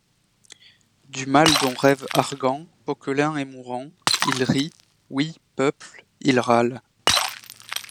Du mal dont rêve Argan, Poquelin est mourant ; Il rit: oui, peuple, il râle!